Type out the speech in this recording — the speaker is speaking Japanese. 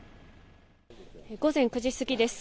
午前９時過ぎです。